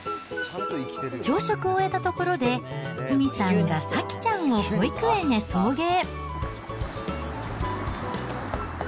朝食を終えたところで、ふみさんがさきちゃんを保育園へ送迎。